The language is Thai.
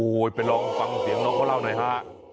โอ้โหไปลองฟังเสียงน้องเขาเล่าหน่อยฮะ